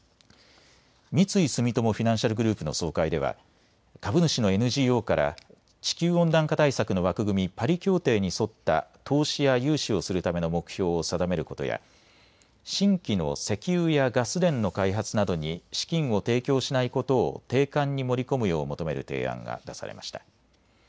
三井住友フィナンシャルグループの総会では株主のＮＧＯから地球温暖化対策の枠組み、パリ協定に沿った投資や融資をするための目標を定めることや新規の石油やガス田の開発などに資金を提供しないことを定款に盛り込むよう求める提案が出されました。